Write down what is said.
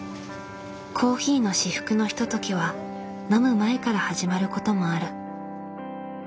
コーヒーの至福のひとときは飲む前から始まることもある。